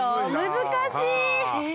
難しい！